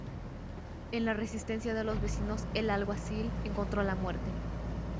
En la resistencia de los vecinos el alguacil encontró la muerte.